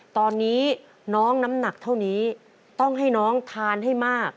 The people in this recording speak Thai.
ตอนนี้น้องน้ำหนักเท่านี้ต้องให้น้องทานให้มาก